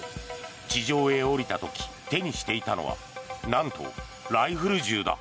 地上へ降りた時手にしていたのは何とライフル銃だ。